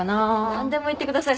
何でも言ってください。